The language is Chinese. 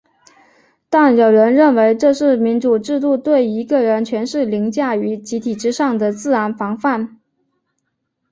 但有人认为这是民主制度对一个人权势凌驾于集体之上的自然防范。